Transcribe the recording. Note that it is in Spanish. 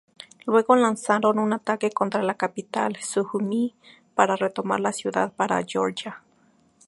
Luego lanzaron un ataque contra la capital, Sujumi, para retomar la ciudad para Georgia.